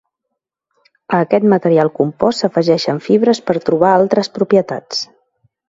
A aquest material compost s'afegeixen fibres per trobar altres propietats.